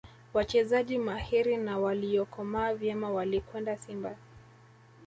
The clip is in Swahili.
wachezaji mahiri na waliyokomaa vyema walikwenda simba